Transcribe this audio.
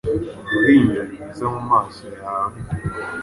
Uruhinja rwiza mumaso yawe,